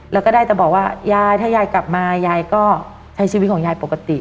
แล้วก็ได้แต่บอกว่ายายถ้ายายกลับมายายก็ใช้ชีวิตของยายปกติ